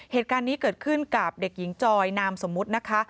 เหตุการณ์นี้เกิดขึ้นกับเด็กหญิงจอยนามสมมุตินะคะ